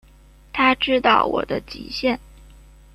他知道我的极限